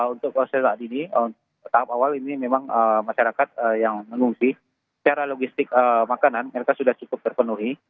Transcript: untuk proses saat ini tahap awal ini memang masyarakat yang mengungsi secara logistik makanan mereka sudah cukup terpenuhi